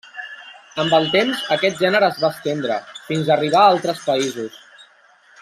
Amb el temps aquest gènere es va estendre, fins a arribar a altres països.